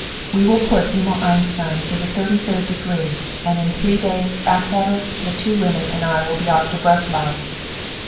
We will put Emil Einstein 'through the thirty third degree,' and in three days Atwater, the two women and I will be off for Breslau.